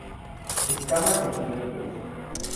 Escamas en los miembros.